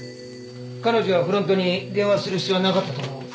彼女はフロントに電話する必要はなかったと思う。